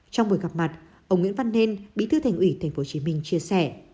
trong buổi gặp mặt ông nguyễn văn nên bí thư thành ủy tp hcm chia sẻ